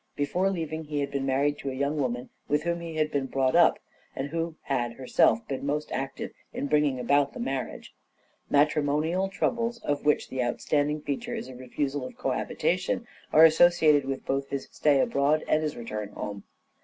Before leaving he had been married to a young woman with whom he had been brought up, and who had herself been most active in bringing about the marriage. Matrimonial troubles, of which the outstanding feature is a refusal of cohabitation, are associated with both his stay abroad and his return home.